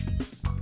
mình vô công cảnh